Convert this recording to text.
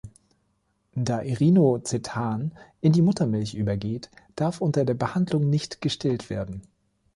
Da Irinotecan in die Muttermilch übergeht, darf unter der Behandlung nicht gestillt werden.